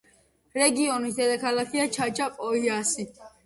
რეგიონის დედაქალაქია ჩაჩაპოიასი.